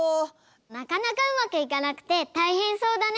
なかなかうまくいかなくてたいへんそうだね。